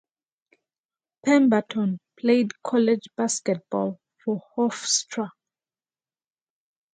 Pemberton played college basketball for Hofstra.